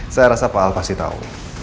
saya rasa pak al pasti tahu